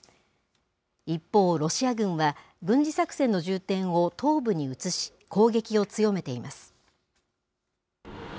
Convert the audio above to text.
一方、ロシア軍は、軍事作戦の重点を東部に移し、攻撃を強めています。